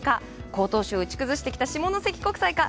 好投手を打ち崩してきた下関国際か。